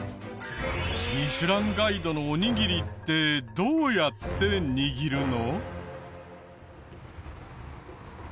『ミシュランガイド』のおにぎりってどうやって握るの？